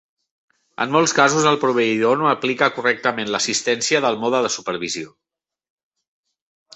En molts casos, el proveïdor no aplica correctament l'assistència del mode de supervisió.